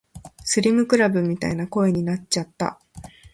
スリムクラブみたいな声になっちゃった